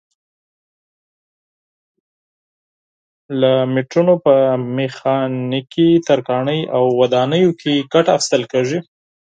له مترونو په میخانیکي، ترکاڼۍ او ودانیو کې ګټه اخیستل کېږي.